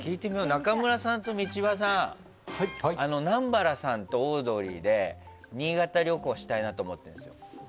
中村さんと道場さん南原さんとオードリーで新潟旅行したいなと思ってるんですよ。